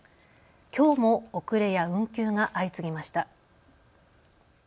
きょうも遅れや運休が相次ぎました。